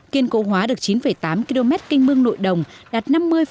kiên cố hóa được chín tám km canh mương nội đồng đạt năm mươi sáu mươi sáu